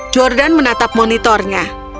jordan menatap monitornya